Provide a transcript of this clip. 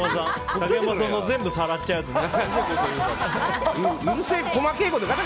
竹山さんの全部さらっちゃうやつね。